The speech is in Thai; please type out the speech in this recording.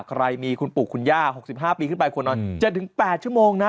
ใครมีคุณปลูกคุณย่าหกสิบห้าปีขึ้นไปควรนอนเจ็ดถึงแปดชั่วโมงนะ